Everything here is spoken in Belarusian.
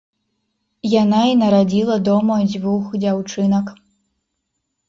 Яна і нарадзіла дома дзвюх дзяўчынак.